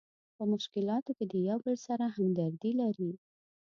په مشکلاتو کې د یو بل سره همدردي لري.